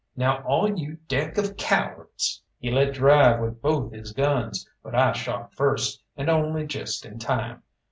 Now all you deck of cowards " He let drive with both his guns, but I shot first, and only just in time.